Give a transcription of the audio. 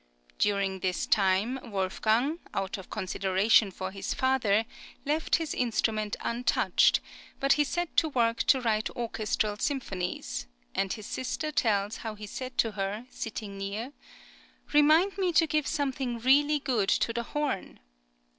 During this time Wolfgang, out of consideration for his father, left his instrument untouched; but he set to work to write orchestral symphonies, and his sister tells[20031] how he said to her, sitting near: "Remind me to give something really good to the horn."